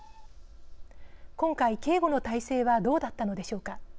今回、警護の態勢はどうだったのでしょうか。